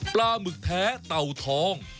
ปลาหมึกแทเตาทอง